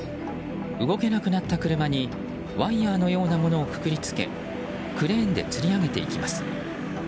動けなくなった車にワイヤのようなものをくくり付けクレーンでつり上げていきます。